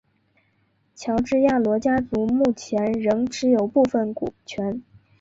乔治亚罗家族目前仍持有部份股权。